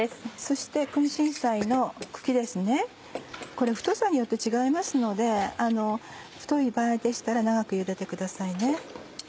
これ太さによって違いますので太い場合でしたら長く茹でてください。